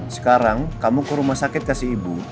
sekarang kamu ke rumah sakit kasih ibu